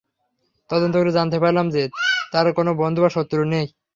তদন্ত করে জানতে পারলাম যে, তার কোন বন্ধু বা শত্রু নেই।